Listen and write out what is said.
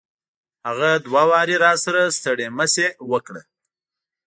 هغه دوه واري راسره ستړي مشي وکړه.